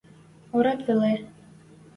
Ӧрат веле...